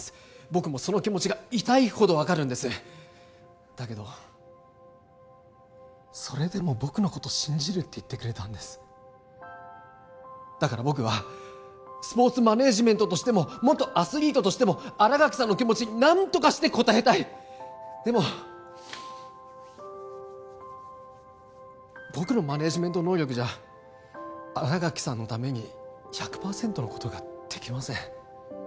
僕もその気持ちが痛いほど分かるんですだけどそれでも僕のこと信じるって言ってくれたんですだから僕はスポーツマネージメントとしても元アスリートとしても新垣さんの気持ちに何とかして応えたいでも僕のマネージメント能力じゃ新垣さんのために１００パーセントのことができません